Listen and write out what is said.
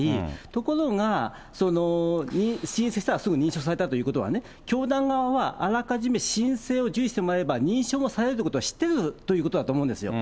ところが、申請したらすぐ認証されたということはね、教団側はあらかじめ申請を受理されれば、認証もされるということは知ってるということだと思うんですよ。